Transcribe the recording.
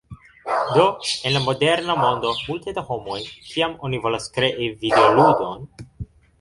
Do en la moderna mondo multe da homoj, kiam oni volas krei videoludon